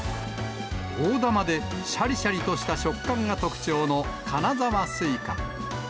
大玉でしゃりしゃりとした食感が特徴の金沢すいか。